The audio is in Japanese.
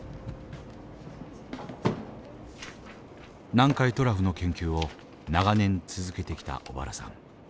南海トラフの研究を長年続けてきた小原さん。